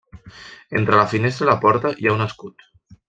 Entre la finestra i la porta hi ha un escut.